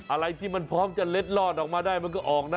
อะไรที่มันพร้อมจะเล็ดลอดออกมาได้มันก็ออกนะ